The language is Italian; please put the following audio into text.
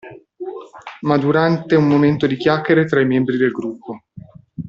Ma durante un momento di chiacchiere tra i membri del gruppo.